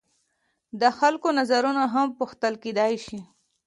د خلکو نظرونه هم پوښتل کیدای شي.